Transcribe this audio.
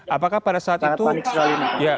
apakah pada saat itu